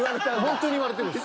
本当に言われてるんです。